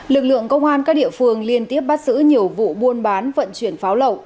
lực lượng công an các địa phương liên tiếp bắt giữ nhiều vụ buôn bán vận chuyển pháo lậu